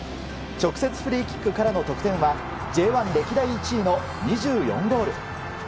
直接フリーキックからの得点はＪ１歴代１位の２４ゴール。